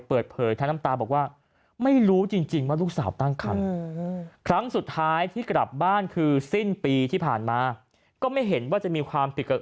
เปิดเผยเท่าที่น้ำตาบอกว่า